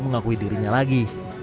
mengakui dirinya lagi